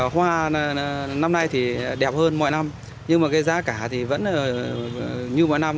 hoa năm nay thì đẹp hơn mọi năm nhưng mà cái giá cả thì vẫn như mọi năm